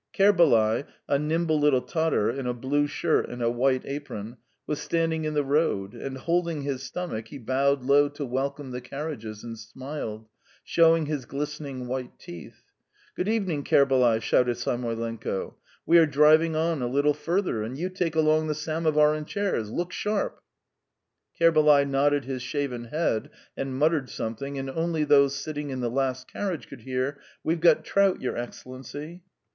Kerbalay, a nimble little Tatar in a blue shirt and a white apron, was standing in the road, and, holding his stomach, he bowed low to welcome the carriages, and smiled, showing his glistening white teeth. "Good evening, Kerbalay," shouted Samoylenko. "We are driving on a little further, and you take along the samovar and chairs! Look sharp!" Kerbalay nodded his shaven head and muttered something, and only those sitting in the last carriage could hear: "We've got trout, your Excellency."